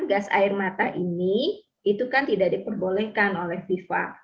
gas air mata ini itu kan tidak diperbolehkan oleh fifa